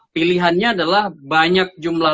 pilihannya adalah banyak jumlah